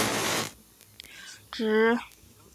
疏受为太子太傅疏广之侄。